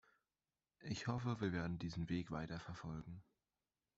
Ich hoffe, wir werden diesen Weg weiterverfolgen.